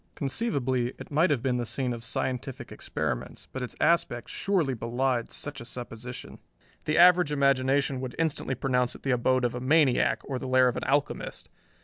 Conceivably it might have been the scene of scientific experiments, but its aspect surely belied such a supposition. The average imagination would instantly pronounce it the abode of a maniac, or the lair of an alchemist.